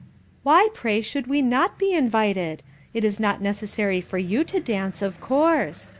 "Why, pray, should we not be invited? It is not necessary for you to dance, of course.